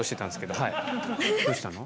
どうしたの？